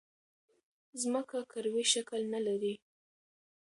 ځمکه کروی شکل نه لري.